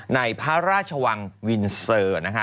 ในพระราชวังวินเซอร์นะคะ